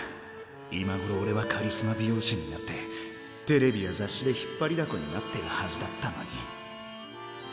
今ごろおれはカリスマ美容師になってテレビや雑誌で引っ張りだこになってるはずだったのに。